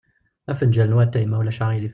Afenǧal n watay, ma ulac aɣilif.